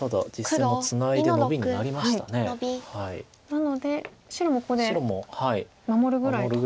なので白もここで守るぐらいと。